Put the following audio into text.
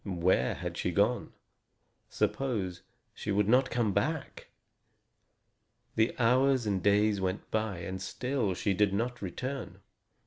Where had she gone? Suppose she should not come back! The hours and days went by, and still she did not return.